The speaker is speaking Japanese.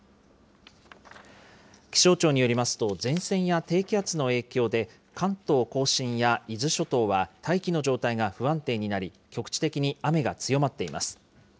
気象庁によりますと、前線や低気圧の影響で、関東甲信や伊豆諸島は、大気の状態が不安定になり、局地的に雨が強まっています。